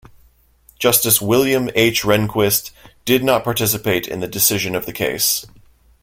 Justice William H. Rehnquist did not participate in the decision of the case.